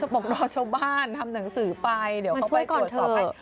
บอกรอชาวบ้านทำหนังสือไปเดี๋ยวเขาช่วยตรวจสอบให้